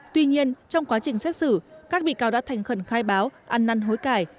tuy nhiên trong quá trình xét xử các bị cáo đã thành khẩn khai báo ăn năn hối cải